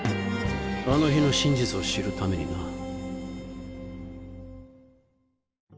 あの日の真実を知るためにな。